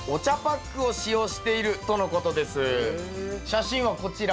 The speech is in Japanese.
写真はこちら。